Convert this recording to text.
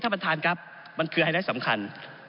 ท่านประธานกรับมันคือแรกสำคัญ